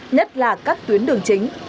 nhất là các tuyến đường chính